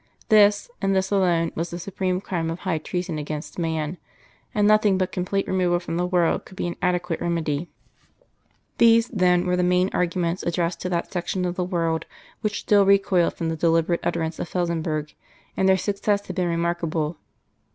This, and this alone, was the supreme crime of High Treason against man and nothing but complete removal from the world could be an adequate remedy. These, then, were the main arguments addressed to that section of the world which still recoiled from the deliberate utterance of Felsenburgh, and their success had been remarkable.